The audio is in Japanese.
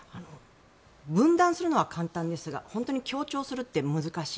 分断するのは簡単ですが本当に協調するって難しい。